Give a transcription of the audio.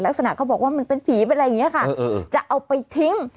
ลักษณะเขาบอกว่ามันเป็นผีเป็นอะไรอย่างนี้ค่ะจะเอาไปทิ้ง